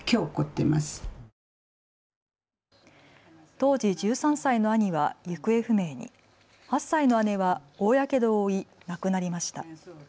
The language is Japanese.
当時１３歳の兄は行方不明に、８歳の姉は大やけどを負い亡くなりました。